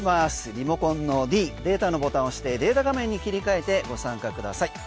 リモコンのｄデータのボタンを押してデータ画面に切り替えてご参加ください。